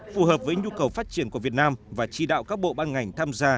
phù hợp với nhu cầu phát triển của việt nam và chỉ đạo các bộ ban ngành tham gia